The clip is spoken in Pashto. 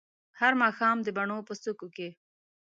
هر ماښام د بڼو په څوکو کې